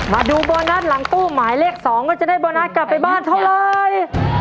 มาดูโบนัสหลังตู้หมายเลข๒ว่าจะได้โบนัสกลับไปบ้านเท่าไร